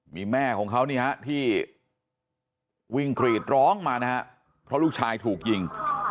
มีแม่ของเขานี่ฮะที่วิ่งกรีดร้องมานะฮะเพราะลูกชายถูกยิง